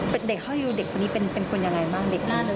เด็กเขาอยู่เด็กคนนี้เป็นคนยังไงบ้าง